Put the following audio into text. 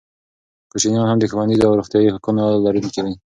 کوچیان هم د ښوونیزو او روغتیايي حقونو لرونکي دي.